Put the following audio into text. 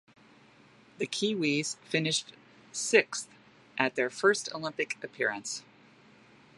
The Kiwi's finished sixth at their first Olympic appearance.